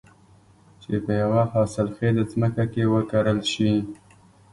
چې په يوه حاصل خېزه ځمکه کې وکرل شي.